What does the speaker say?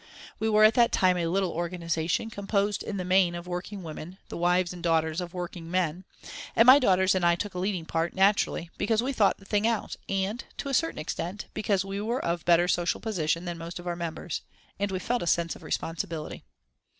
We were at that time a little organisation, composed in the main of working women, the wives and daughters of working men. And my daughters and I took a leading part, naturally, because we thought the thing out, and, to a certain extent, because we were of better social position than most of our members, and we felt a sense of responsibility."